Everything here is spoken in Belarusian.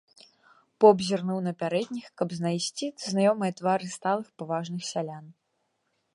Поп зірнуў на пярэдніх, каб знайсці знаёмыя твары сталых, паважных сялян.